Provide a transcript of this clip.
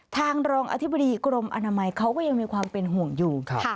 ทางรองอธิบดีกรมอนามัยเขาก็ยังมีความเป็นห่วงอยู่